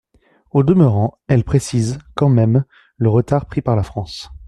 Au demeurant, elles précisent quand même le retard pris par la France.